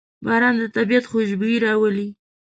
باران د طبیعت خوشبويي راولي.